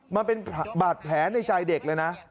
มันเป็นบาดแผลในใจเด็กเลยนะ